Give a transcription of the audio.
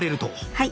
はい。